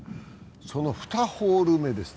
その２ホール目です